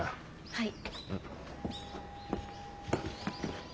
はい。